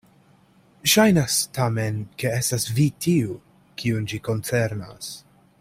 Ŝajnas tamen, ke estas vi tiu, kiun ĝi koncernas.